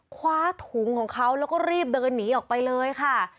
คว้าถุงของเขาแล้วก็รีบเดินหนีออกไปเลยค่ะ